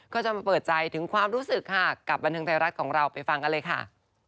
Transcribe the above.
ก็จะมาเปิดใจถึงความรู้สึกค่ะกับบันเทิงไทยรัฐของเราไปฟังกันเลยค่ะ